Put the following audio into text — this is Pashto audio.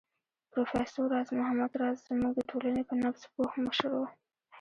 پروفېسر راز محمد راز زموږ د ټولنې په نبض پوه مشر و